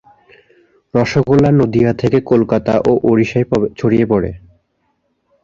রসগোল্লা নদীয়া থেকে কলকাতা ও ওড়িশায় ছড়িয়ে পড়ে।